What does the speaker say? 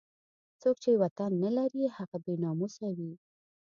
څوک چې وطن نه لري هغه بې ناموسه وي.